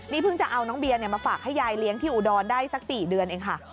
นี่เพิ่งจะเอาน้องเบียมาฝากให้ยายเลี้ยงที่อุดรได้สัก๔เดือนเองค่ะ